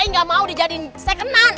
i gak mau dijadiin second an